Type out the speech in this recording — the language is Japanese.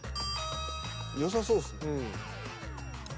［よさそうですね］